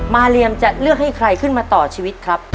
เรียมจะเลือกให้ใครขึ้นมาต่อชีวิตครับ